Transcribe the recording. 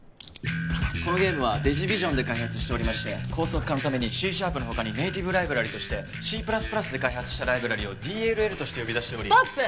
このゲームはデジビィジョンで開発しておりまして高速化のためにＣ＃の他にネイティブライブラリとしてＣ＋＋で開発したライブラリをＤＬＬとして呼び出しておりストップ！